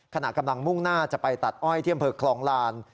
ขณะกำลังมุ่งหน้าจะไปตัดอ้อยที่อำเภอคลองลาน